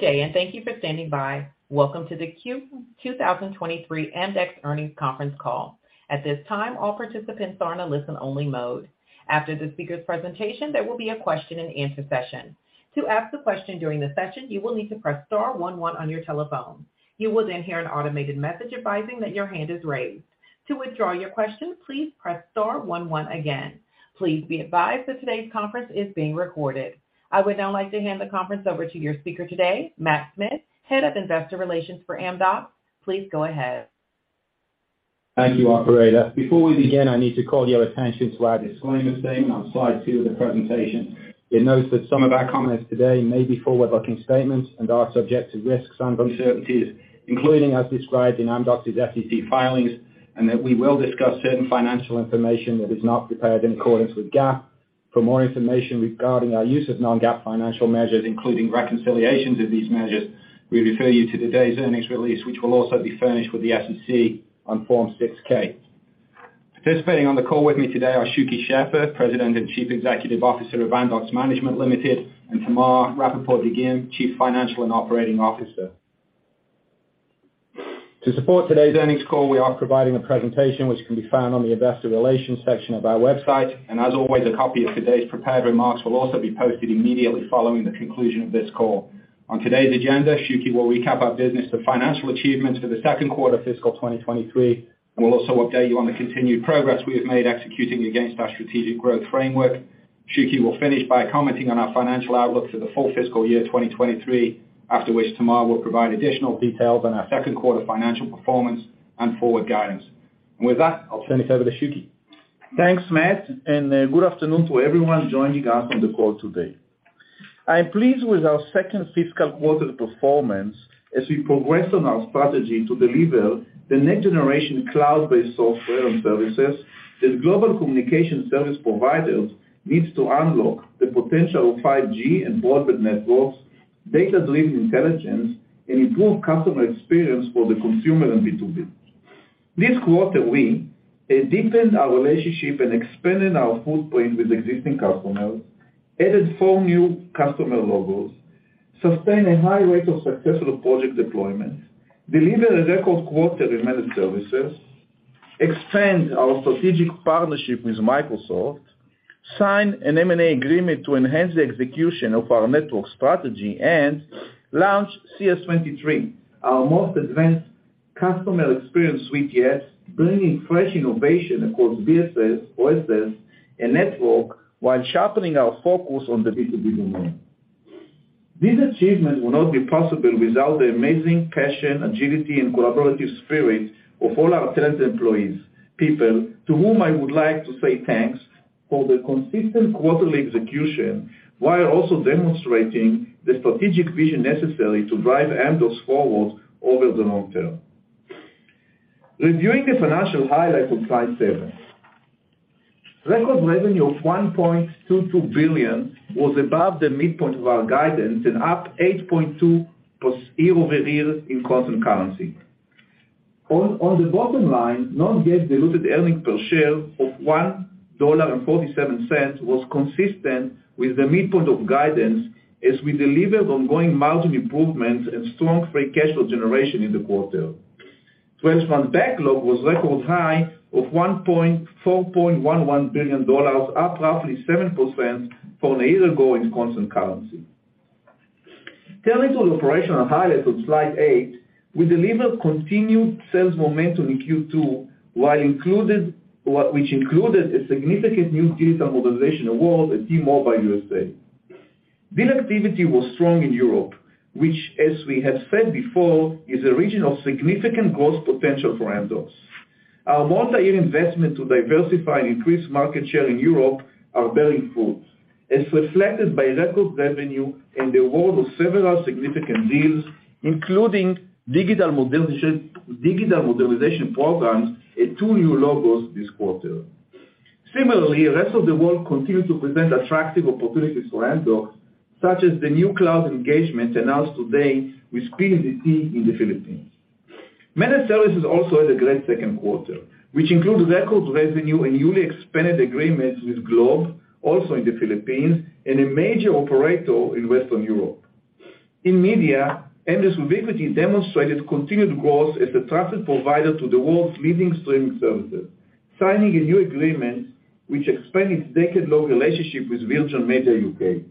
Good day, thank you for standing by. Welcome to the Q 2023 Amdocs Earnings Conference Call. At this time, all participants are in a listen-only mode. After the speaker's presentation, there will be a question-and-answer session. To ask a question during the session, you will need to press star one one on your telephone. You will hear an automated message advising that your hand is raised. To withdraw your question, please press star one one again. Please be advised that today's conference is being recorded. I would now like to hand the conference over to your speaker today, Matt Smith, Head of Investor Relations for Amdocs. Please go ahead. Thank you, operator. Before we begin, I need to call your attention to our disclaimer statement on slide 2 of the presentation. You'll note that some of our comments today may be forward-looking statements and are subject to risks and uncertainties, including, as described in Amdocs' SEC filings, and that we will discuss certain financial information that is not prepared in accordance with GAAP. For more information regarding our use of non-GAAP financial measures, including reconciliations of these measures, we refer you to today's earnings release, which will also be furnished with the SEC on Form 6-K. Participating on the call with me today are Shuky Sheffer, President and Chief Executive Officer of Amdocs Management Limited, and Tamar Rapaport-Dagim, Chief Financial and Operating Officer. To support today's earnings call, we are providing a presentation which can be found on the investor relations section of our website. As always, a copy of today's prepared remarks will also be posted immediately following the conclusion of this call. On today's agenda, Shuky will recap our business and financial achievements for the second quarter fiscal 2023, and we'll also update you on the continued progress we have made executing against our strategic growth framework. Shuky will finish by commenting on our financial outlook for the full fiscal year 2023, after which Tamar will provide additional details on our second quarter financial performance and forward guidance. With that, I'll turn it over to Shuky. Thanks, Matt, good afternoon to everyone joining us on the call today. I'm pleased with our second fiscal quarter performance as we progress on our strategy to deliver the next generation cloud-based software and services that global communication service providers needs to unlock the potential of 5G and broadband networks, data-driven intelligence, and improve customer experience for the consumer and B2B. This quarter, we deepened our relationship and expanded our footprint with existing customers, added four new customer logos, sustained a high rate of successful project deployments, delivered a record quarter in managed services, expand our strategic partnership with Microsoft, sign an M&A agreement to enhance the execution of our network strategy, and launch CES 23, our most advanced customer experience suite yet, bringing fresh innovation across BSS, OSS, and network, while sharpening our focus on the B2B domain. These achievements would not be possible without the amazing passion, agility, and collaborative spirit of all our talented employees, people to whom I would like to say thanks for their consistent quarterly execution, while also demonstrating the strategic vision necessary to drive Amdocs forward over the long term. Reviewing the financial highlights on slide seven. Record revenue of $1.22 billion was above the midpoint of our guidance and up 8.2% year-over-year in constant currency. On the bottom line, non-GAAP diluted earning per share of $1.47 was consistent with the midpoint of guidance as we delivered ongoing margin improvements and strong free cash flow generation in the quarter. Twelve-month backlog was record high of $4.11 billion, up roughly 7% from a year ago in constant currency. Turning to the operational highlights on slide eight, we delivered continued sales momentum in Q2, which included a significant new digital mobilization award at T-Mobile USA. Deal activity was strong in Europe, which as we have said before, is a region of significant growth potential for Amdocs. Our multi-year investment to diversify and increase market share in Europe are bearing fruit, as reflected by record revenue and the award of several significant deals, including digital modernization programs at two new logos this quarter. Similarly, rest of the world continued to present attractive opportunities for Amdocs, such as the new cloud engagement announced today with PLDT in the Philippines. Managed services also had a great second quarter, which includes record revenue and newly expanded agreements with Globe, also in the Philippines, and a major operator in Western Europe. In media, Amdocs Vubiquity demonstrated continued growth as a trusted provider to the world's leading streaming services, signing a new agreement which expanded its decade-long relationship with Virgin Media UK.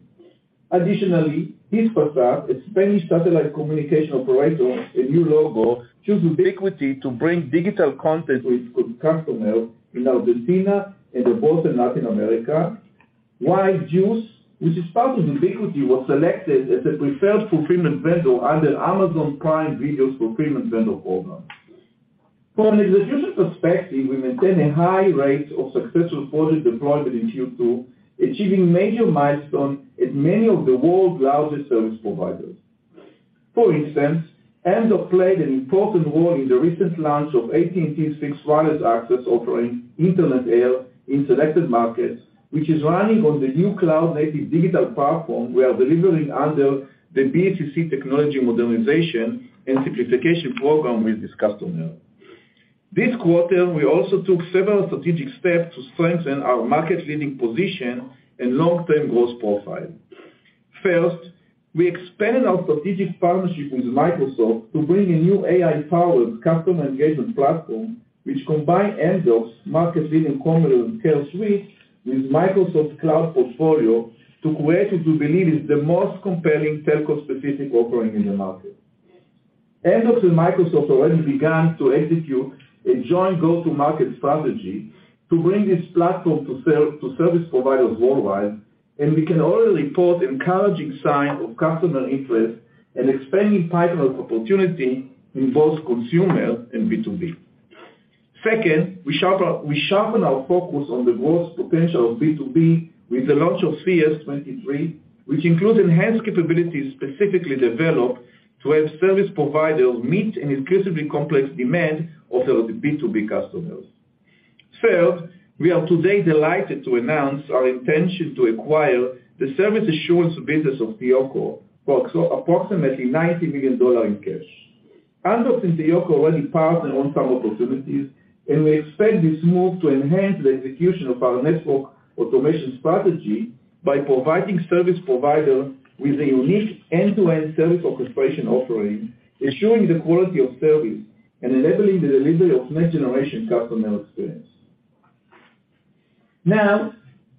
Hispasat, a Spanish satellite communication operator, a new logo, chose Vubiquity to bring digital content to its customers in Argentina and the broader Latin America. Juice, which is part of Vubiquity, was selected as a preferred fulfillment vendor under Amazon Prime Video's fulfillment vendor program. From an execution perspective, we maintain a high rate of successful project deployment in Q2, achieving major milestones at many of the world's largest service providers. For instance, Amdocs played an important role in the recent launch of AT&T's fixed wireless access offering, Internet Air, in selected markets, which is running on the new cloud-native digital platform we are deliveringunder the BTCC technology modernization and simplification program with this customer. This quarter, we also took several strategic steps to strengthen our market leading position and long-term growth profile. First, we expanded our strategic partnership with Microsoft to bring a new AI-powered customer engagement platform, which combine Amdocs market leading Commerce & Care Suite with Microsoft Cloud portfolio to create what we believe is the most compelling telco-specific offering in the market. Amdocs and Microsoft already began to execute a joint go-to-market strategy to bring this platform to service providers worldwide. We can only report encouraging signs of customer interest and expanding pipeline opportunity in both consumer and B2B. Second, we sharpen our focus on the growth potential of B2B with the launch of CES23, which includes enhanced capabilities specifically developed to help service providers meet an increasingly complex demand of their B2B customers. Third, we are today delighted to announce our intention to acquire the service assurance business of TEOCO for approximately $90 million in cash. Amdocs and TEOCO already partner on some opportunities, and we expect this move to enhance the execution of our network automation strategy by providing service provider with a unique end-to-end service orchestration offering, ensuring the quality of service, and enabling the delivery of next generation customer experience. Now,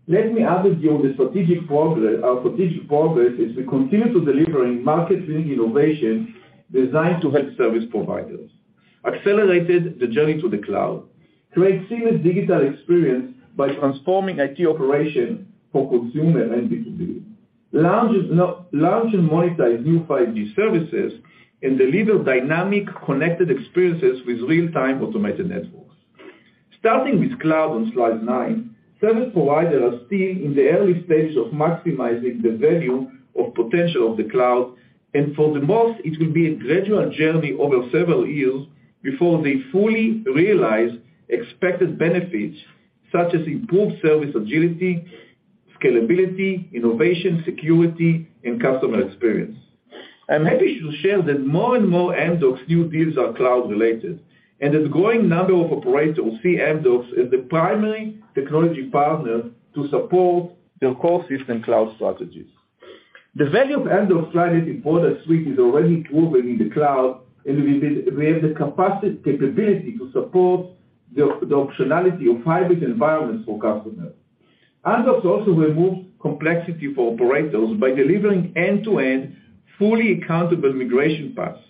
let me update you on our strategic progress as we continue to delivering market-leading innovation designed to help service providers, accelerated the journey to the cloud, create seamless digital experience by transforming IT operation for consumer and B2B. Launch as no-launch and monetize new 5G services and deliver dynamic connected experiences with real-time automated networks. Starting with cloud on slide 9, service providers are still in the early stages of maximizing the value of potential of the cloud, and for the most, it will be a gradual journey over several years before they fully realize expected benefits such as improved service agility, scalability, innovation, security, and customer experience. I'm happy to share that more and more Amdocs new deals are cloud-related, and as growing number of operators see Amdocs as the primary technology partner to support their core system cloud strategies. The value of Amdocs cloud-native product suite is already proven in the cloud, and we have the capability to support the optionality of private environments for customers. Amdocs also removes complexity for operators by delivering end-to-end fully accountable migration paths,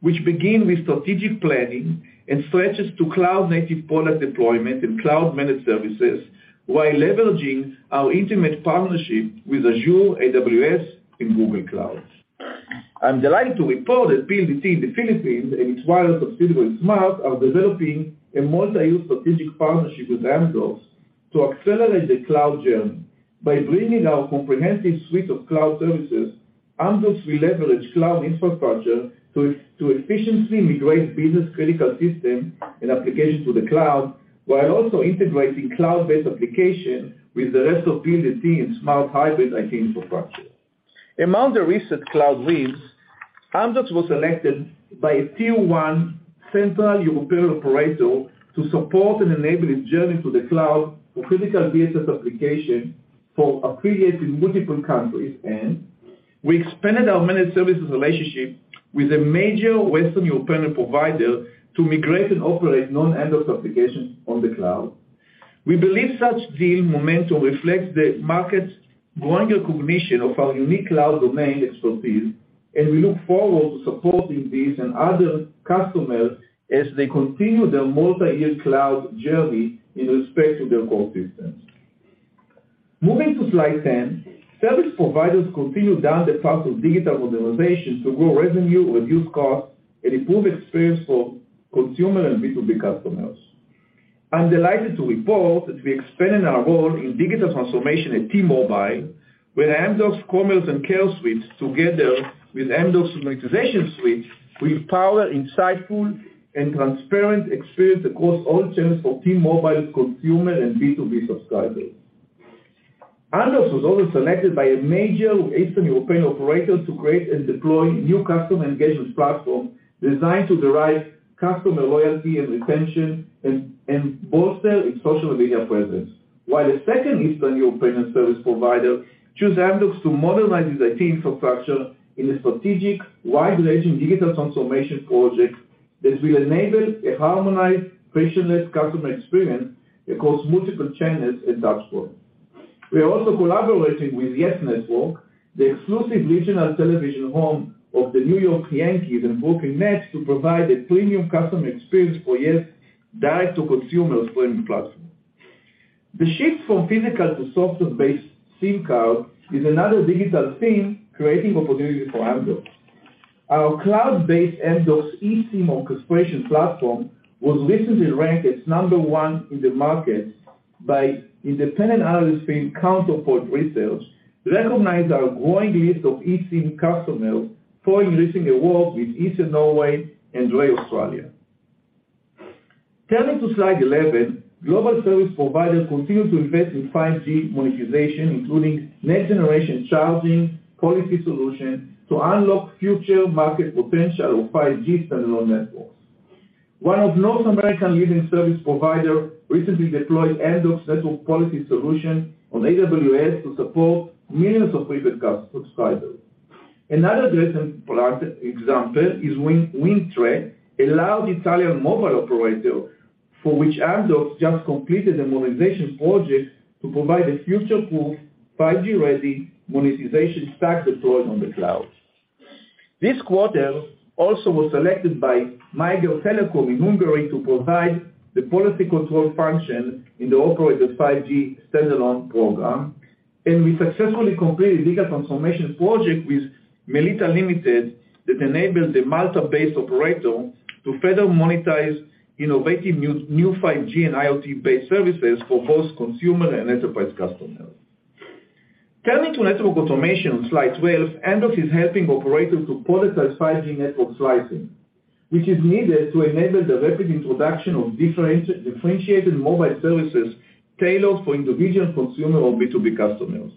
which begin with strategic planning and stretches to cloud-native product deployment and cloud managed services while leveraging our intimate partnership with Azure, AWS and Google Cloud. I'm delighted to report that PLDT in the Philippines and its wireless subsidiary, Smart, are developing a multi-year strategic partnership with Amdocs to accelerate their cloud journey. By bringing our comprehensive suite of cloud services, Amdocs will leverage cloud infrastructure to efficiently migrate business-critical system and application to the cloud, while also integrating cloud-based application with the rest of PLDT and Smart hybrid IT infrastructure. Among the recent cloud wins, Amdocs was selected by a tier one central European operator to support and enable his journey to the cloud for critical business application for operating in multiple countries. We expanded our managed services relationship with a major Western European provider to migrate and operate non-Amdocs applications on the cloud. We believe such deal momentum reflects the market's growing recognition of our unique cloud domain expertise, and we look forward to supporting these and other customers as they continue their multi-year cloud journey in respect to their core systems. Moving to slide 10. Service providers continue down the path of digital modernization to grow revenue, reduce costs, and improve experience for consumer and B2B customers. I'm delighted to report that we expanded our role in digital transformation at T-Mobile with Amdocs Commerce & Care suites together with Amdocs Monetization Suite, we power insightful and transparent experience across all channels for T-Mobile consumer and B2B subscribers. Amdocs was also selected by a major Eastern European operator to create and deploy new customer engagement platform designed to drive customer loyalty and retention and bolster its social media presence. A second Eastern European service provider chose Amdocs to modernize its IT infrastructure in a strategic wide-ranging digital transformation project that will enable a harmonized frictionless customer experience across multiple channels and touchpoint. We are also collaborating with YES Network, the exclusive regional television home of the New York Yankees and Brooklyn Nets, to provide a premium customer experience for YES direct-to-consumer streaming platform. The shift from physical to software-based SIM card is another digital theme creating opportunity for Amdocs. Our cloud-based Amdocs eSIM orchestration platform was recently ranked as number one in the market by independent analyst firm Counterpoint Research, recognize our growing list of eSIM customers for releasing a work with ICE Norway and Drei Australia. Turning to slide 11. Global service providers continue to invest in 5G monetization, including next generation charging policy solution to unlock future market potential of 5G standalone networks. One of North American leading service provider recently deployed Amdocs network policy solution on AWS to support millions of prepaid subscribers. Another recent product example is WindTre, a large Italian mobile operator, for which Amdocs just completed a monetization project to provide a future-proof 5G-ready monetization stack deployed on the cloud. This quarter also was selected by Magyar Telekom in Hungary to provide the policy control function in the operator 5G standalone program, and we successfully completed legal transformation project with Melita Limited that enabled the Malta-based operator to further monetize innovative new 5G and IoT-based services for both consumer and enterprise customers. Turning to network automation, slide 12, Amdocs is helping operators to productize 5G network slicing, which is needed to enable the rapid introduction of differentiated mobile services tailored for individual consumer or B2B customers.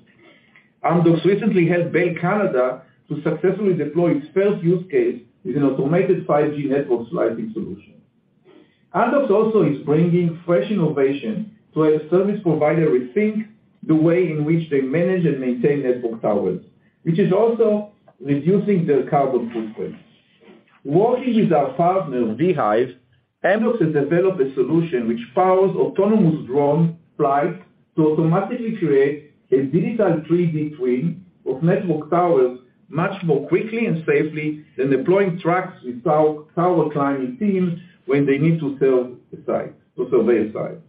Amdocs recently helped Bell Canada to successfully deploy its first use case with an automated 5G network slicing solution. Amdocs also is bringing fresh innovation to a service provider rethink the way in which they manage and maintain network towers, which is also reducing their carbon footprint. Working with our partner, vHive, Amdocs has developed a solution which powers autonomous drone flights to automatically create a digital twin of network towers much more quickly and safely than deploying trucks with tower climbing teams when they need to serve the site or survey a site.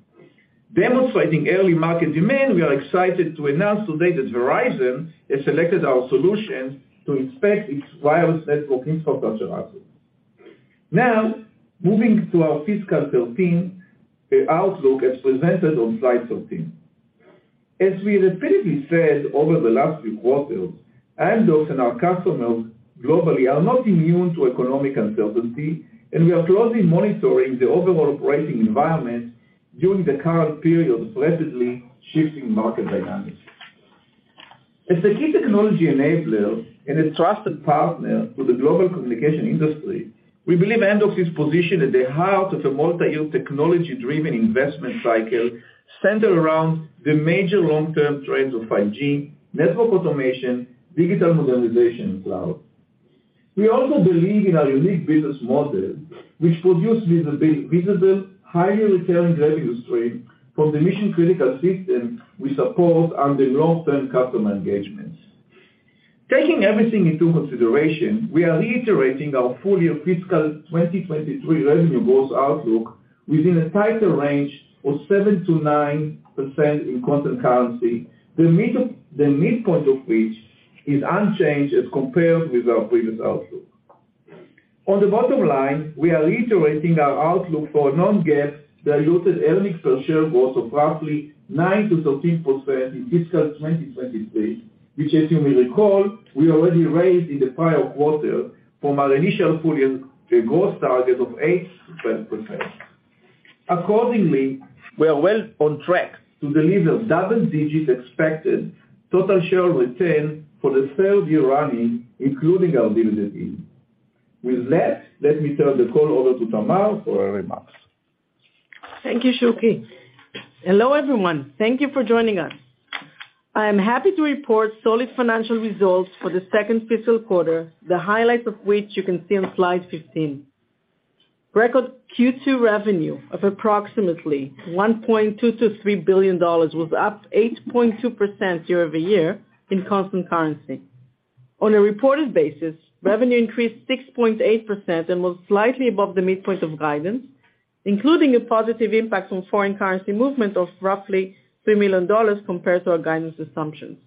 Demonstrating early market demand, we are excited to announce today that Verizon has selected our solution to inspect its wireless network infrastructure assets. Moving to our fiscal 2013 outlook as presented on slide 13. As we repeatedly said over the last few quarters, Amdocs and our customers globally are not immune to economic uncertainty, we are closely monitoring the overall operating environment during the current period of rapidly shifting market dynamics. As the key technology enabler and a trusted partner to the global communication industry, we believe Amdocs is positioned at the heart of the multi-year technology-driven investment cycle centered around the major long-term trends of 5G, network automation, digital modernization, cloud. We also believe in our unique business model, which produces visible, highly recurring revenue stream from the mission-critical system we support and the long-term customer engagements. Taking everything into consideration, we are reiterating our full-year fiscal 2023 revenue growth outlook within a tighter range of 7%-9% in constant currency. The midpoint of which is unchanged as compared with our previous outlook. On the bottom line, we are reiterating our outlook for non-GAAP diluted earnings per share growth of roughly 9%-13% in fiscal 2023, which as you may recall, we already raised in the prior quarter from our initial full year growth target of 8%-12%. Accordingly, we are well on track to deliver double digits expected total share return for the third year running, including our dividend. With that, let me turn the call over to Tamar for her remarks. Thank you, Shuky. Hello, everyone. Thank you for joining us. I am happy to report solid financial results for the second fiscal quarter, the highlights of which you can see on slide 15. Record Q2 revenue of approximately $1.223 billion was up 8.2% year-over-year in constant currency. On a reported basis, revenue increased 6.8% and was slightly above the midpoint of guidance, including a positive impact on foreign currency movement of roughly $3 million compared to our guidance assumptions.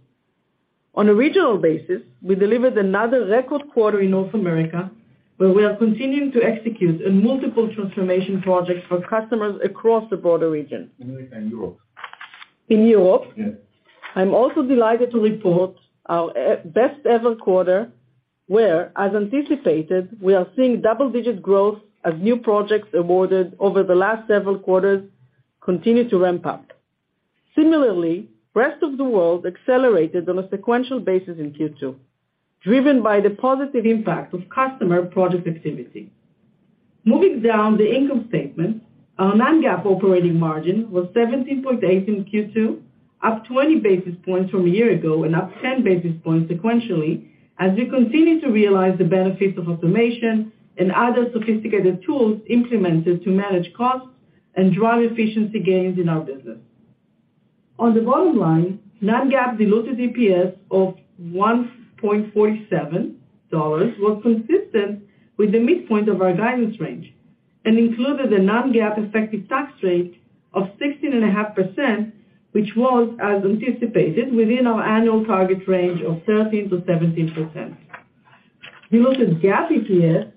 On a regional basis, we delivered another record quarter in North America, where we are continuing to execute in multiple transformation projects for customers across the broader region. America and Europe. In Europe. Yes. I'm also delighted to report our best ever quarter, where, as anticipated, we are seeing double-digit growth as new projects awarded over the last several quarters continue to ramp up. Similarly, rest of the world accelerated on a sequential basis in Q2, driven by the positive impact of customer project activity. Moving down the income statement, our non-GAAP operating margin was 17.8% in Q2, up 20 basis points from a year ago and up 10 basis points sequentially as we continue to realize the benefits of automation and other sophisticated tools implemented to manage costs and drive efficiency gains in our business. On the bottom line, non-GAAP diluted EPS of $1.47 was consistent with the midpoint of our guidance range and included a non-GAAP effective tax rate of 16.5%, which was, as anticipated, within our annual target range of 13%-17%. Diluted GAAP EPS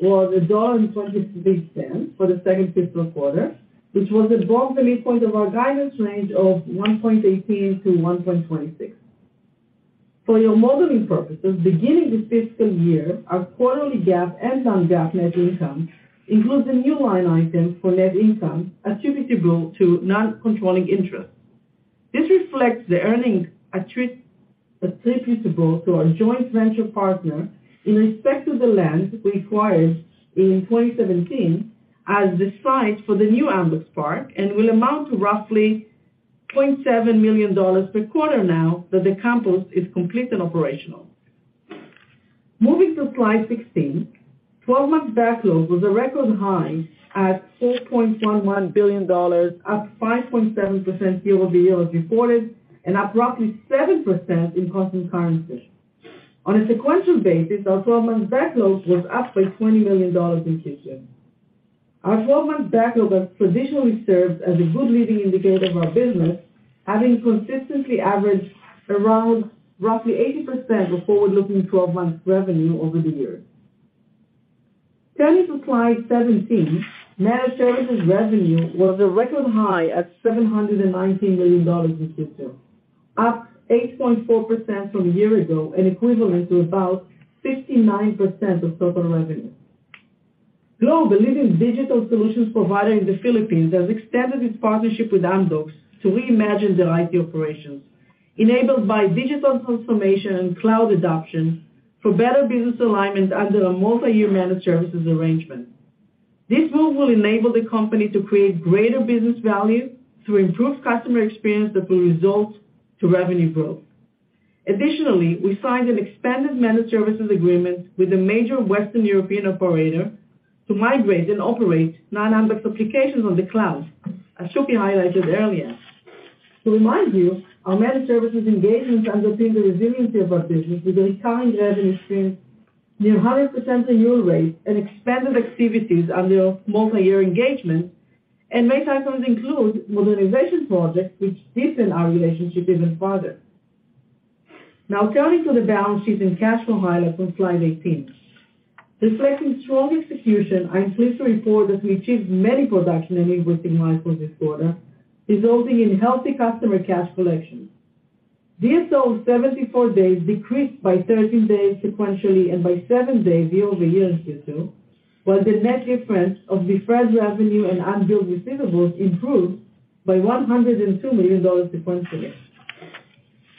was $1.23 for the second fiscal quarter, which was above the midpoint of our guidance range of $1.18-$1.26. For your modeling purposes, beginning this fiscal year, our quarterly GAAP and non-GAAP net income includes a new line item for net income attributable to non-controlling interest. This reflects the earnings attributable to our joint venture partner in respect to the land we acquired in 2017 as the site for the new Amdocs Park, and will amount to roughly $0.7 million per quarter now that the campus is complete and operational. Moving to slide 16, twelve-month backlog was a record high at $4.11 billion, up 5.7% year-over-year as reported, and up roughly 7% in constant currency. On a sequential basis, our twelve-month backlog was up by $20 million in Q2. Our 12-month backlog has traditionally served as a good leading indicator of our business, having consistently averaged around roughly 80% of forward-looking twelve-month revenue over the years. Turning to slide 17, managed services revenue was a record high at $719 million in Q2, up 8.4% from a year ago, and equivalent to about 59% of total revenue. Globe, a leading digital solutions provider in the Philippines, has extended its partnership with Amdocs to reimagine their IT operations, enabled by digital transformation and cloud adoption for better business alignment under a multi-year managed services arrangement. This move will enable the company to create greater business value through improved customer experience that will result to revenue growth. Additionally, we signed an expanded managed services agreement with a major Western European operator to migrate and operate non-Amdocs applications on the cloud, as Shuky highlighted earlier. To remind you, our managed services engagements underpin the resiliency of our business with a recurring revenue stream, near 100% annual rate and expanded activities under a multi-year engagement, and may sometimes include modernization projects which deepen our relationship even further. Now turning to the balance sheet and cash flow highlights on slide 18. Reflecting strong execution, I am pleased to report that we achieved many production and invoicing milestones this quarter, resulting in healthy customer cash collections. Days sales, 74 days decreased by 13 days sequentially and by 7 days year-over-year in Q2, while the net difference of deferred revenue and unbilled receivables improved by $102 million sequentially.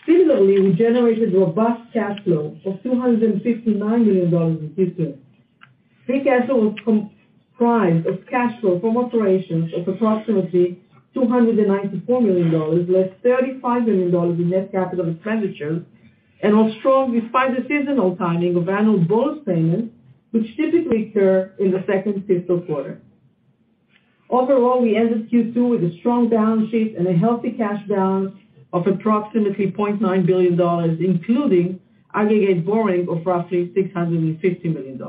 Similarly, we generated robust cash flow of $259 million in Q2. Free cash flow was comprised of cash flow from operations of approximately $294 million, less $35 million in net capital expenditures, and was strong despite the seasonal timing of annual bonus payments, which typically occur in the second fiscal quarter. We ended Q2 with a strong balance sheet and a healthy cash balance of approximately $0.9 billion, including aggregate borrowing of roughly $650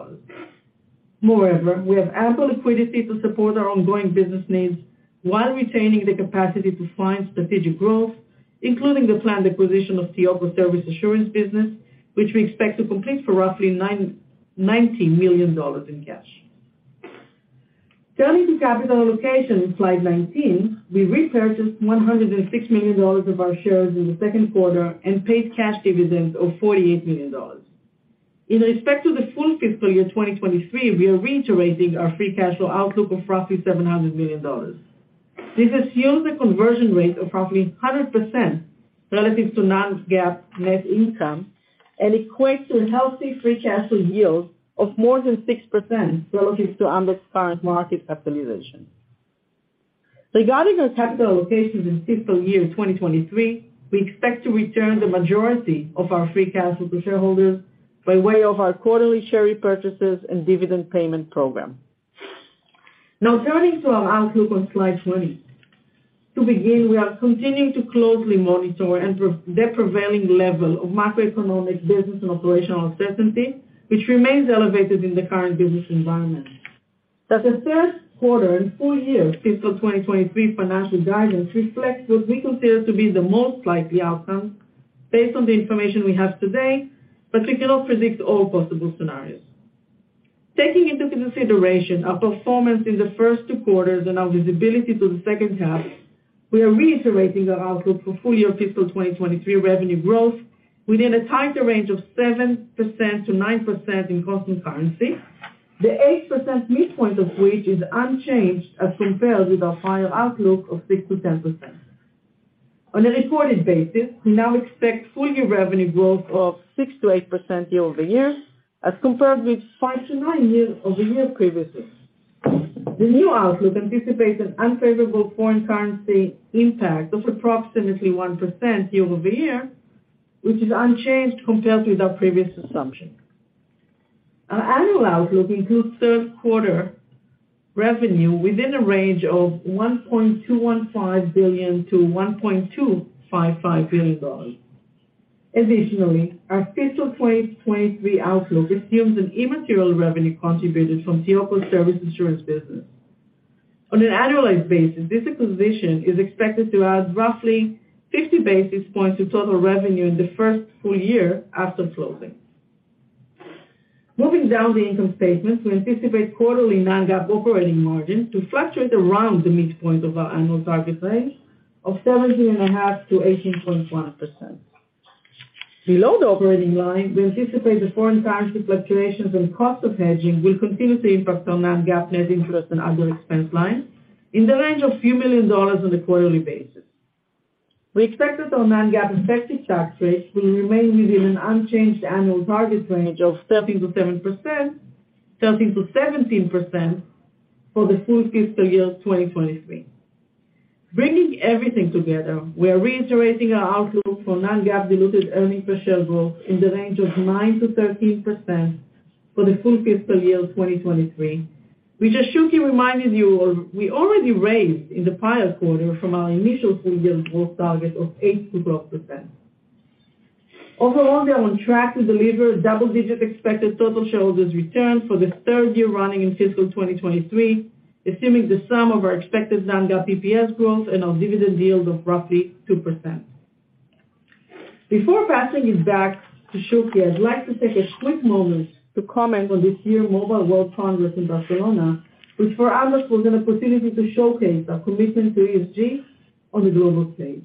million. We have ample liquidity to support our ongoing business needs while retaining the capacity to fund strategic growth, including the planned acquisition of TEOCO Service Assurance business, which we expect to complete for roughly $90 million in cash. Turning to capital allocation on slide 19. We repurchased $106 million of our shares in the second quarter and paid cash dividends of $48 million. In respect to the full fiscal year 2023, we are reiterating our free cash flow outlook of roughly $700 million. This assumes a conversion rate of roughly 100% relative to non-GAAP net income and equates to a healthy free cash flow yield of more than 6% relative to Amdocs' current market capitalization. Regarding our capital allocations in fiscal year 2023, we expect to return the majority of our free cash flow to shareholders by way of our quarterly share repurchases and dividend payment program. Now turning to our outlook on slide 20. To begin, we are continuing to closely monitor the prevailing level of macroeconomic business and operational uncertainty, which remains elevated in the current business environment. The third quarter and full year fiscal 2023 financial guidance reflects what we consider to be the most likely outcome based on the information we have today. We cannot predict all possible scenarios. Taking into consideration our performance in the first two quarters and our visibility to the second half, we are reiterating our outlook for full year fiscal 2023 revenue growth within a tighter range of 7%-9% in constant currency. The 8% midpoint of which is unchanged as compared with our prior outlook of 6%-10%. On a reported basis, we now expect full year revenue growth of 6%-8% year-over-year as compared with 5%-9% years-over-year previously. The new outlook anticipates an unfavorable foreign currency impact of approximately 1% year-over-year, which is unchanged compared with our previous assumption. Our annual outlook includes third quarter revenue within a range of $1.215 billion-$1.255 billion. Our fiscal 2023 outlook assumes an immaterial revenue contributed from TEOCO Service Assurance business. On an annualized basis, this acquisition is expected to add roughly 50 basis points to total revenue in the first full year after closing. Moving down the income statement, we anticipate quarterly non-GAAP operating margins to fluctuate around the midpoint of our annual target range of 17.5%-18.1%. Below the operating line, we anticipate the foreign currency fluctuations and cost of hedging will continue to impact our non-GAAP net interest and other expense lines in the range of a few million dollars on a quarterly basis. We expect that our non-GAAP effective tax rate will remain within an unchanged annual target range of 13%-7%, 13%-17% for the full fiscal year 2023. Bringing everything together, we are reiterating our outlook for non-GAAP diluted earnings per share growth in the range of 9%-13% for the full fiscal year 2023, which as Shuky reminded you, we already raised in the prior quarter from our initial full-year growth target of 8%-12%. Overall, we are on track to deliver double-digit expected total shareholders return for the third year running in fiscal 2023, assuming the sum of our expected non-GAAP EPS growth and our dividend yield of roughly 2%. Before passing it back to Shuky, I'd like to take a quick moment to comment on this year's Mobile World Congress in Barcelona, which for Amdocs was an opportunity to showcase our commitment to ESG on the global stage.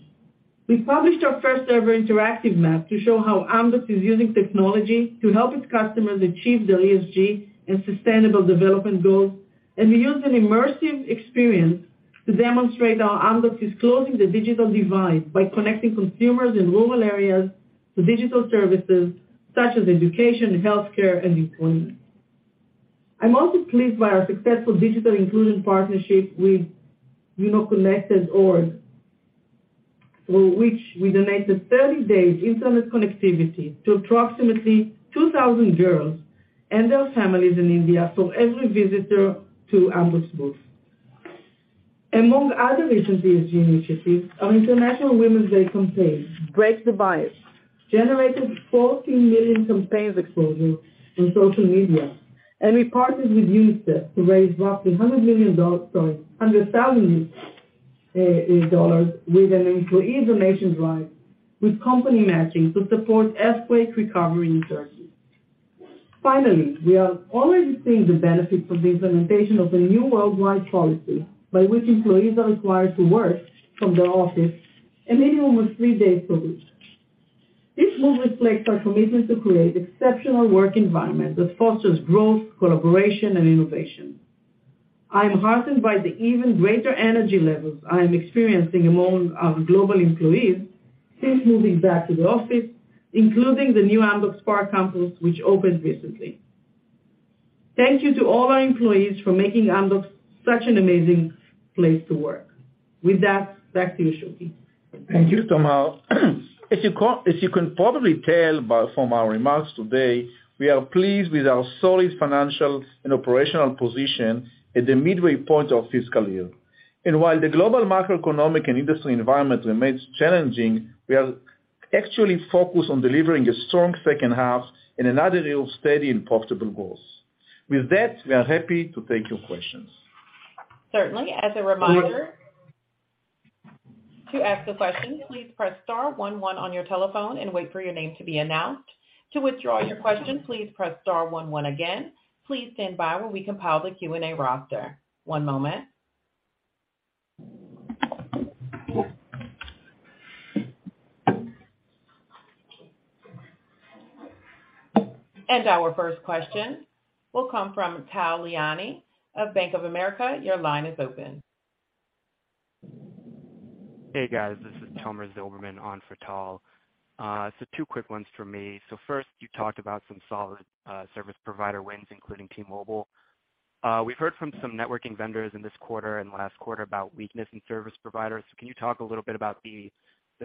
We published our first-ever interactive map to show how Amdocs is using technology to help its customers achieve their ESG and sustainable development goals, and we used an immersive experience to demonstrate how Amdocs is closing the digital divide by connecting consumers in rural areas to digital services such as education, healthcare, and employment. I'm also pleased by our successful digital inclusion partnership with, you know, Connected Org, through which we donated 30 days internet connectivity to approximately 2,000 girls and their families in India for every visitor to Amdocs booth. Among other recent ESG initiatives, our International Women's Day campaign, Break the Bias, generated 14 million campaigns exposure on social media, and we partnered with UNICEF to raise roughly $100 million, sorry, $100 thousand, with an employee donations drive with company matching to support earthquake recovery in Turkey. Finally, we are already seeing the benefit from the implementation of a new worldwide policy by which employees are required to work from their office a minimum of three days per week. This move reflects our commitment to create exceptional work environment that fosters growth, collaboration, and innovation. I am heartened by the even greater energy levels I am experiencing among our global employees since moving back to the office, including the new Amdocs Park campus, which opened recently. Thank you to all our employees for making Amdocs such an amazing place to work. With that, back to you, Shuky. Thank you, Tamar. As you can probably tell from our remarks today, we are pleased with our solid financial and operational position at the midway point of fiscal year. While the global macroeconomic and industry environment remains challenging, we are actually focused on delivering a strong second half and another year of steady and profitable growth. With that, we are happy to take your questions. Certainly. As a reminder, to ask a question, please press star one one on your telephone and wait for your name to be announced. To withdraw your question, please press star one one again. Please stand by while we compile the Q&A roster. One moment. Our first question will come from Tal Liani of Bank of America. Your line is open. Hey, guys, this is Tomer Zilberman on for Tal. Two quick ones for me. First, you talked about some solid service provider wins, including T-Mobile. We've heard from some networking vendors in this quarter and last quarter about weakness in service providers. Can you talk a little bit about the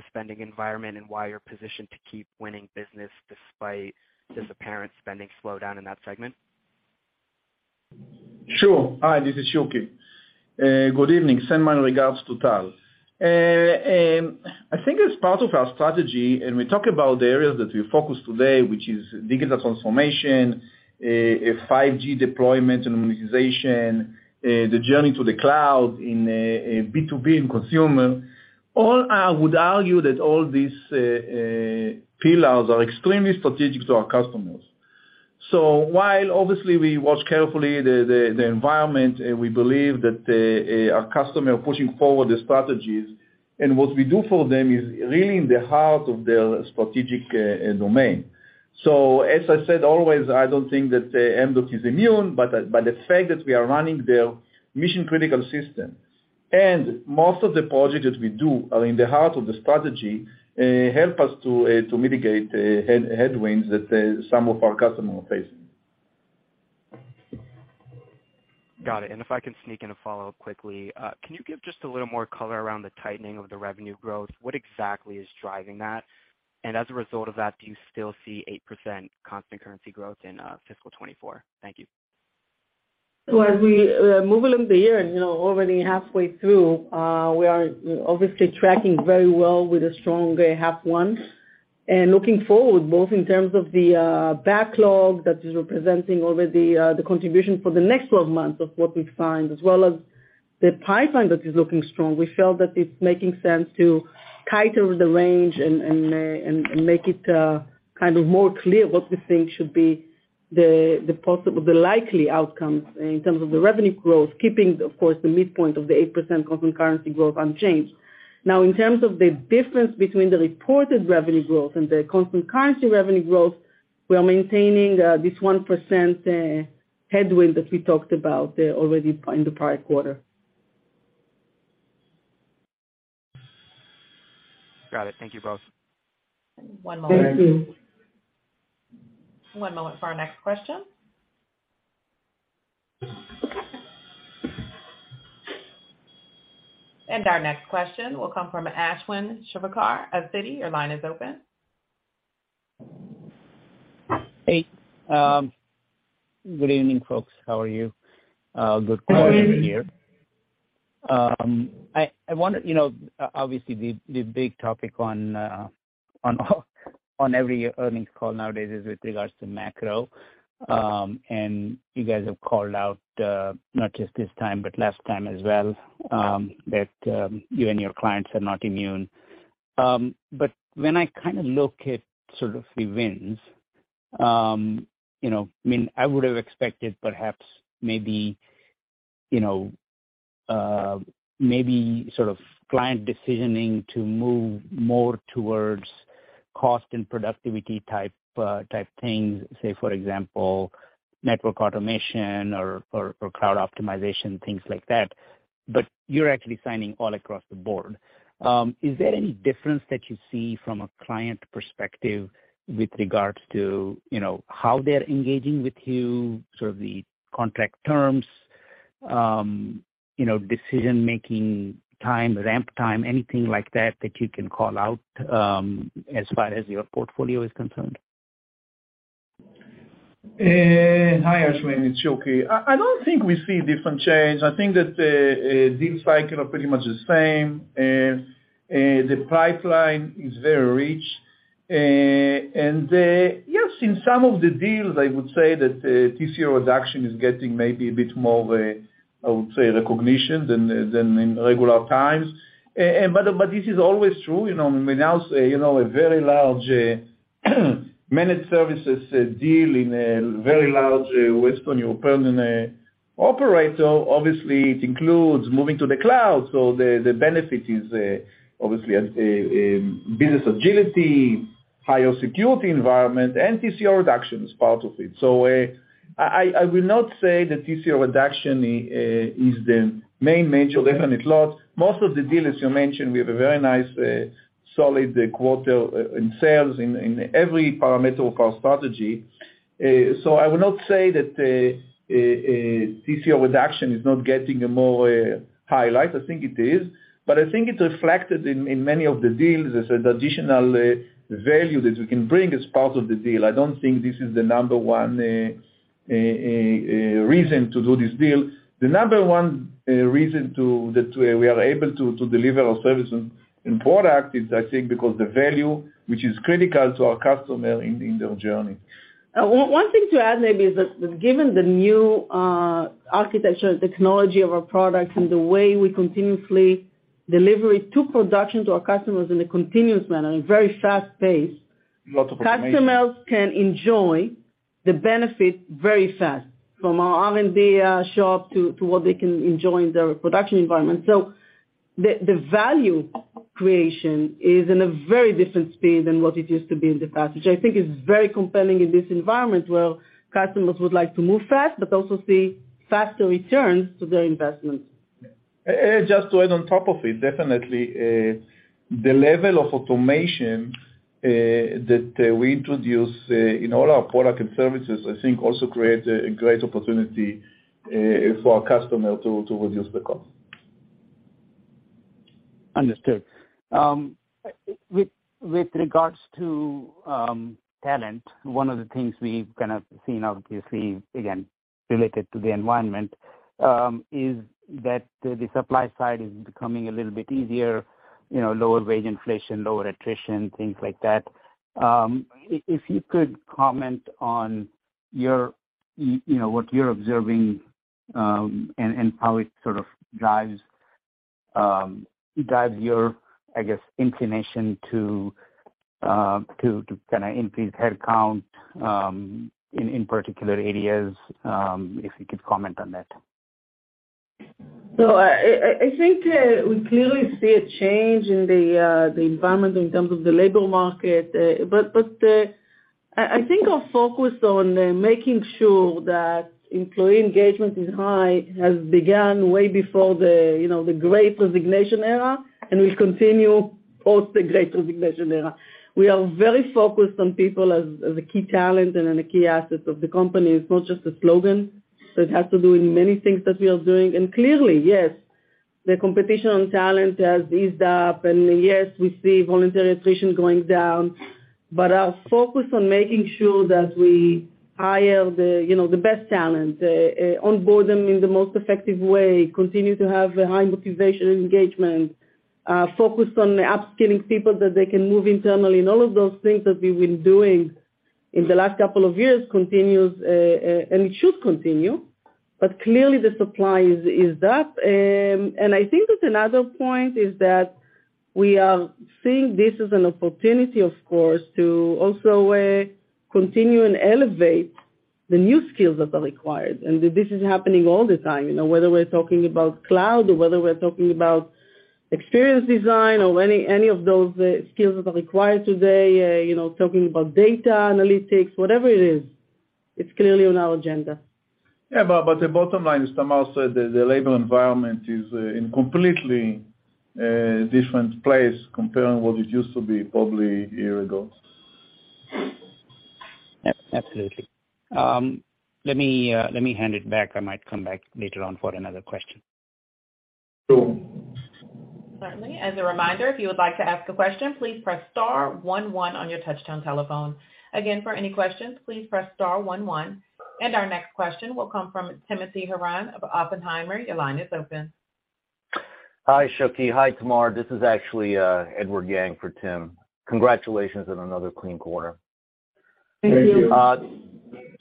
spending environment and why you're positioned to keep winning business despite this apparent spending slowdown in that segment? Sure. Hi, this is Shuky. Good evening. Send my regards to Tal. I think as part of our strategy, we talk about the areas that we focus today, which is digital transformation, 5G deployment and monetization, the journey to the cloud in B2B and consumer, all would argue that all these pillars are extremely strategic to our customers. While obviously we watch carefully the environment and we believe that our customer pushing forward the strategies and what we do for them is really in the heart of their strategic domain. As I said, always, I don't think that Amdocs is immune, but the fact that we are running their mission-critical system, and most of the projects that we do are in the heart of the strategy, help us to mitigate the headwinds that some of our customers are facing. Got it. If I can sneak in a follow-up quickly. Can you give just a little more color around the tightening of the revenue growth? What exactly is driving that? As a result of that, do you still see 8% constant currency growth in fiscal 2024? Thank you. As we move along the year and, you know, already halfway through, we are obviously tracking very well with a strong half one. Looking forward, both in terms of the backlog that is representing already the contribution for the next 12 months of what we find, as well as the pipeline that is looking strong, we felt that it's making sense to tighten the range and make it kind of more clear what we think should be The possible, the likely outcomes in terms of the revenue growth, keeping of course, the midpoint of the 8% constant currency growth unchanged. In terms of the difference between the reported revenue growth and the constant currency revenue growth, we are maintaining this 1% headwind that we talked about already in the prior quarter. Got it. Thank you both. Thank you. One moment. One moment for our next question. Our next question will come from Ashwin Shirvaikar of Citi. Your line is open. Hey, good evening, folks. How are you? Good morning here. I wonder, you know, obviously the big topic on every earnings call nowadays is with regards to macro. You guys have called out not just this time, but last time as well, that you and your clients are not immune. When I kind of look at sort of the wins, you know, I mean, I would have expected perhaps maybe, you know, maybe sort of client decisioning to move more towards cost and productivity type things. Say, for example, network automation or cloud optimization, things like that. You're actually signing all across the board. Is there any difference that you see from a client perspective with regards to, you know, how they're engaging with you, sort of the contract terms, you know, decision-making time, ramp time, anything like that you can call out, as far as your portfolio is concerned? Hi, Ashwin, it's Shuky. I don't think we see different change. I think that deal cycle are pretty much the same. Yes, in some of the deals, I would say that TCO reduction is getting maybe a bit more of a, I would say, recognition than in regular times. But this is always true. You know, when we now say, you know, a very large managed services deal in a very large Western European operator, obviously it includes moving to the cloud. The benefit is, obviously, a business agility, higher security environment, and TCO reduction is part of it. I will not say that TCO reduction is the main major definite loss. Most of the deals, as you mentioned, we have a very nice solid quarter in sales in every parameter of our strategy. I would not say that a TCO reduction is not getting a more highlight. I think it is. I think it's reflected in many of the deals as an additional value that we can bring as part of the deal. I don't think this is the number 1 reason to do this deal. The number 1 reason that we are able to deliver our services and product is, I think, because the value, which is critical to our customer in their journey. One thing to add maybe is that given the new architecture and technology of our products and the way we continuously delivery to production to our customers in a continuous manner in a very fast pace. Lot of information. Customers can enjoy the benefit very fast from our R&D, shop to what they can enjoy in their production environment. The value creation is in a very different space than what it used to be in the past, which I think is very compelling in this environment, where customers would like to move fast, but also see faster returns to their investment. Just to add on top of it, definitely, the level of automation that we introduce in all our product and services, I think also creates a great opportunity for our customer to reduce the cost. Understood. With regards to talent, one of the things we've kind of seen, obviously, again, related to the environment, is that the supply side is becoming a little bit easier, you know, lower wage inflation, lower attrition, things like that. If you could comment on your, you know, what you're observing, and how it sort of drives your, I guess, inclination to kinda increase headcount in particular areas, if you could comment on that. I think we clearly see a change in the environment in terms of the labor market. I think our focus on making sure that employee engagement is high has begun way before the, you know, the great resignation era, and will continue post the great resignation era. We are very focused on people as a key talent and a key asset of the company. It's not just a slogan, it has to do with many things that we are doing. Clearly, yes, the competition on talent has eased up. Yes, we see voluntary attrition going down. Our focus on making sure that we hire the, you know, the best talent, onboard them in the most effective way, continue to have a high motivation engagement, focus on upskilling people that they can move internally and all of those things that we've been doing in the last couple of years continues, and it should continue. Clearly the supply is up. I think that another point is that We are seeing this as an opportunity, of course, to also, continue and elevate the new skills that are required, and this is happening all the time, you know, whether we're talking about cloud or whether we're talking about experience design or any of those, skills that are required today, you know, talking about data analytics, whatever it is, it's clearly on our agenda. Yeah, the bottom line, as Tamar said, the labor environment is in completely different place comparing what it used to be probably a year ago. Absolutely. Let me hand it back. I might come back later on for another question. Sure. Certainly. As a reminder, if you would like to ask a question, please press star 11 on your touchtone telephone. Again, for any questions, please press star 11. Our next question will come from Timothy Horan of Oppenheimer. Your line is open. Hi, Shuky. Hi, Tamar. This is actually, Edward Yang for Tim. Congratulations on another clean quarter. Thank you. Thank you.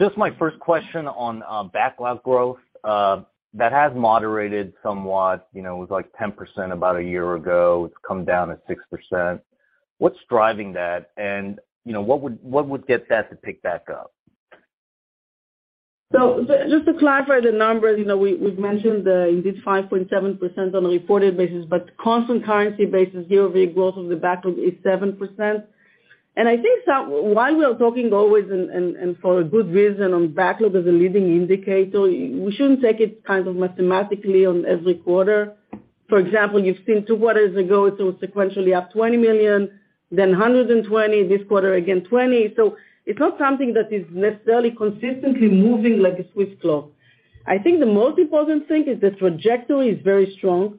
Just my first question on backlog growth, that has moderated somewhat, you know, it was like 10% about a year ago. It's come down to 6%. What's driving that? You know, what would get that to pick back up? Just to clarify the numbers, you know, we've mentioned, you did 5.7% on a reported basis, but constant currency basis year-over-year growth of the backlog is 7%. I think while we are talking always and for a good reason on backlog as a leading indicator, we shouldn't take it kind of mathematically on every quarter. For example, you've seen two quarters ago, it was sequentially up $20 million, then $120 million, this quarter again, $20 million. It's not something that is necessarily consistently moving like a Swiss clock. I think the most important thing is the trajectory is very strong.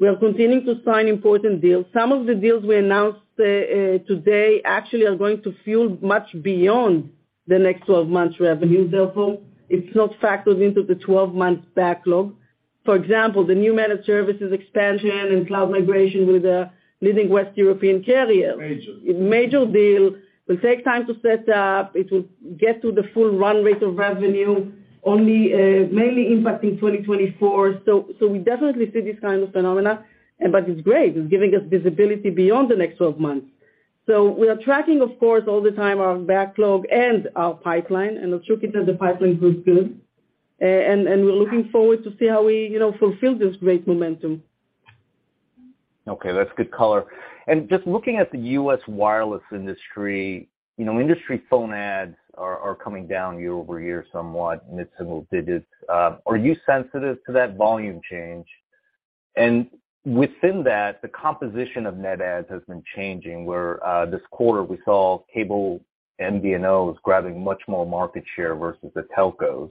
We are continuing to sign important deals. Some of the deals we announced today actually are going to fuel much beyond the next 12 months revenue. Therefore, it's not factored into the 12 months backlog. For example, the new managed services expansion and cloud migration with a leading West European carrier. Major. A major deal will take time to set up. It will get to the full run rate of revenue only, mainly impacting 2024. We definitely see this kind of phenomena, but it's great. It's giving us visibility beyond the next 12 months. We are tracking, of course, all the time our backlog and our pipeline. Shuky says the pipeline looks good. We're looking forward to see how we, you know, fulfill this great momentum. Okay, that's good color. Just looking at the U.S. wireless industry, you know, industry phone ads are coming down year over year, somewhat mid-single digits. Are you sensitive to that volume change? Within that, the composition of net adds has been changing, where this quarter we saw cable MVNOs grabbing much more market share versus the telcos.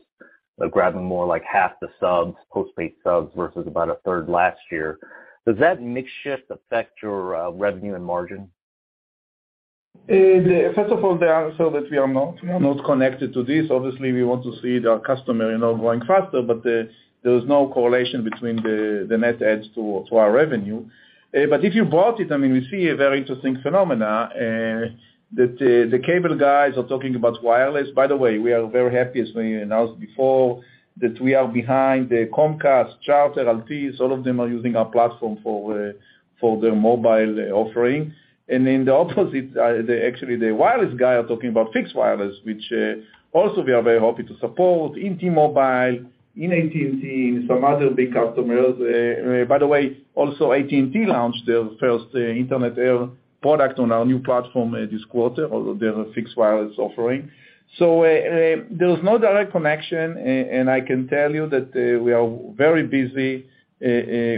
They're grabbing more like half the subs, postpaid subs versus about a third last year. Does that mix shift affect your revenue and margin? The first of all, the answer that we are not connected to this. Obviously, we want to see our customer, you know, growing faster, but there's no correlation between the net adds to our revenue. But if you bought it, I mean, we see a very interesting phenomena that the cable guys are talking about wireless. By the way, we are very happy, as we announced before, that we are behind Comcast, Charter, Altice, all of them are using our platform for their mobile offering. The actually the wireless guy are talking about fixed wireless, which also we are very happy to support in T-Mobile, in AT&T, in some other big customers. By the way, also AT&T launched their first Internet Air product on our new platform this quarter, their fixed wireless offering. There's no direct connection. And I can tell you that we are very busy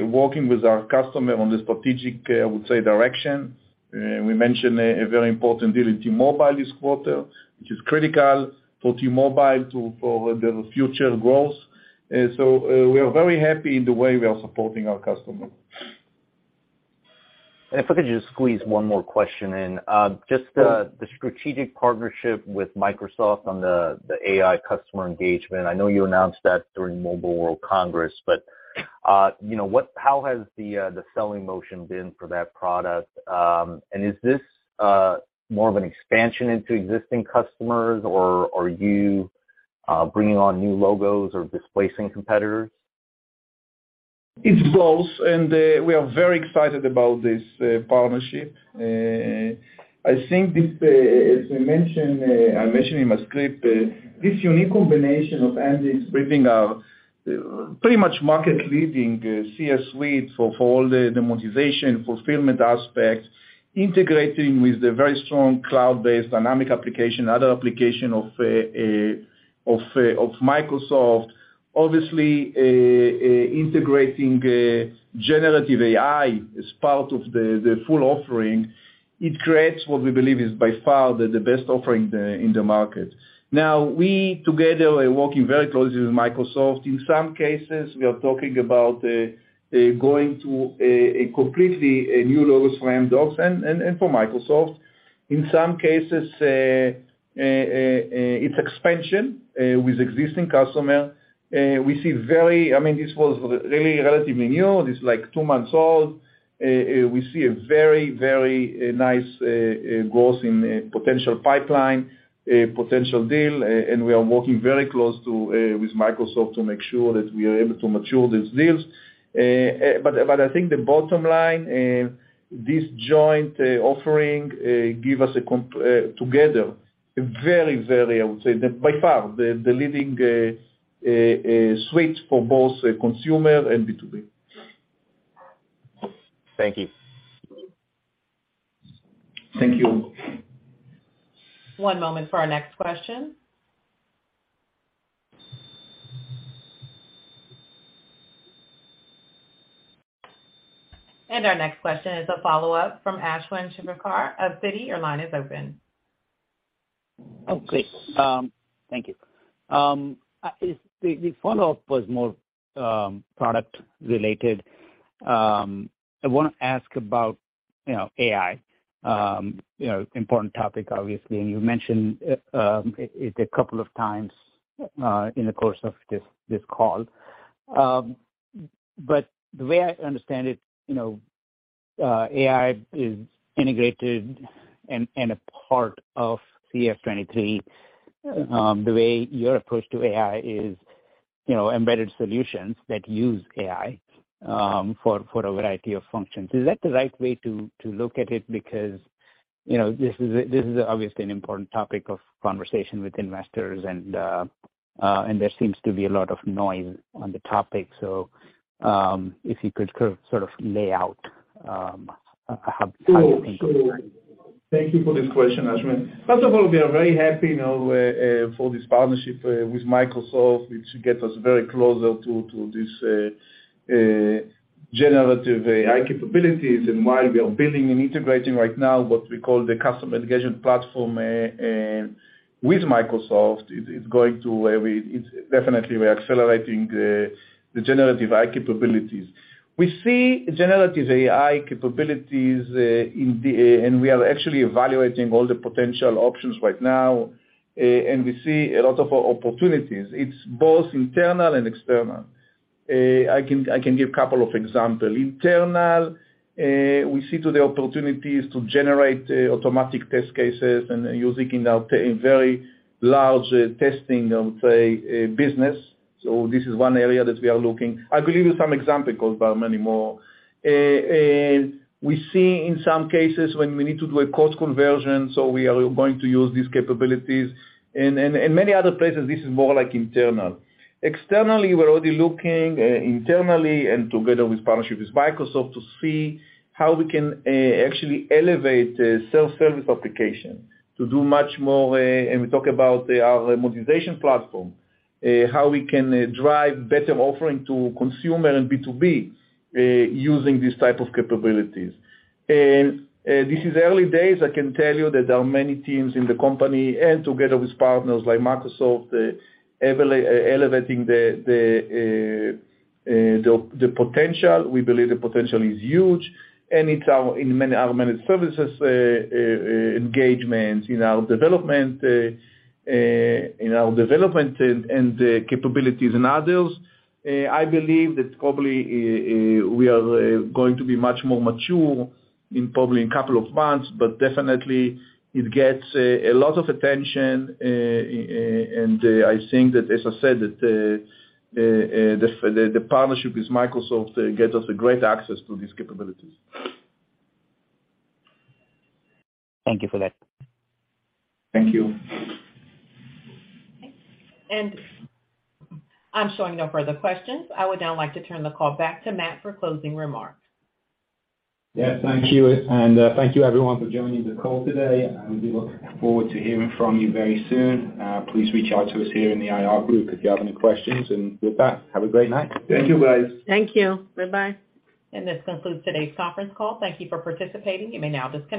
working with our customer on the strategic I would say direction. We mentioned a very important deal in T-Mobile this quarter, which is critical for T-Mobile for the future growth. We are very happy in the way we are supporting our customer. If I could just squeeze one more question in. Just the strategic partnership with Microsoft on the AI customer engagement, I know you announced that during Mobile World Congress, but you know, how has the selling motion been for that product? Is this more of an expansion into existing customers or are you bringing on new logos or displacing competitors? It's both. We are very excited about this partnership. I think this, as we mentioned, I mentioned in my script, this unique combination of Amdocs bringing a pretty much market leading CS suite for all the motivation, fulfillment aspects, integrating with the very strong cloud-based dynamic application, other application of Microsoft. Obviously, integrating generative AI as part of the full offering, it creates what we believe is by far the best offering in the market. We together are working very closely with Microsoft. In some cases, we are talking about going to a completely new logos for Amdocs and for Microsoft. In some cases, it's expansion with existing customer. We see very I mean, this was really relatively new. This is like two months old. We see a very nice growth in potential pipeline, potential deal. We are working very close to with Microsoft to make sure that we are able to mature these deals. I think the bottom line, this joint offering, give us a com together, very, I would say that by far the leading suite for both consumer and B2B. Thank you. Thank you. One moment for our next question. Our next question is a follow-up from Ashwin Shirvaikar of Citi. Your line is open. Great. Thank you. The follow-up was more product related. I wanna ask about, you know, AI. You know, important topic obviously, and you mentioned it a couple of times in the course of this call. The way I understand it, you know, AI is integrated and a part of CES23, the way your approach to AI is, you know, embedded solutions that use AI for a variety of functions. Is that the right way to look at it? Because, you know, this is obviously an important topic of conversation with investors, and there seems to be a lot of noise on the topic, so if you could sort of lay out how you think? Thank you for this question, Ashwin. First of all, we are very happy, you know, for this partnership with Microsoft, which gets us very closer to this generative AI capabilities. While we are building and integrating right now what we call the customer engagement platform with Microsoft, it's going to, it's definitely we're accelerating the generative AI capabilities. We see generative AI capabilities in the. We are actually evaluating all the potential options right now. We see a lot of opportunities. It's both internal and external. I can give couple of example. Internal, we see to the opportunities to generate automatic test cases and using in our in very large testing, I would say, business. This is one area that we are looking. I'll give you some example, but there are many more. We see in some cases when we need to do a cost conversion, so we are going to use these capabilities. Many other places, this is more like internal. Externally, we're already looking internally and together with partnership with Microsoft to see how we can actually elevate self-service application to do much more, and we talk about our modernization platform, how we can drive better offering to consumer and B2B using these type of capabilities. This is early days. I can tell you that there are many teams in the company and together with partners like Microsoft, elevating the potential. We believe the potential is huge, and it's our, in many of our managed services, engagement in our development, in our development and capabilities in others. I believe that probably we are going to be much more mature in probably in couple of months, but definitely it gets a lot of attention. I think that, as I said, that the partnership with Microsoft gets us a great access to these capabilities. Thank you for that. Thank you. I'm showing no further questions. I would now like to turn the call back to Matt for closing remarks. Yeah. Thank you. Thank you everyone for joining the call today. We look forward to hearing from you very soon. Please reach out to us here in the IR group if you have any questions. With that, have a great night. Thank you, guys. Thank you. Bye-bye. This concludes today's conference call. Thank you for participating. You may now disconnect.